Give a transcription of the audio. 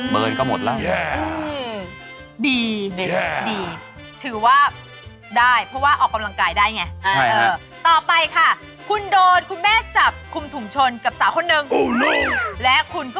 เบิร์นก็หมดล่ะ